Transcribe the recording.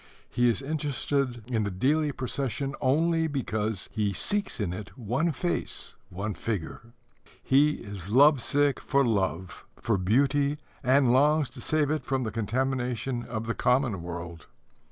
He is interested in the daily procession only because he seeks in it one face, one figure. He is love sick for love, for beauty, and longs to save it from the contamination of the common world.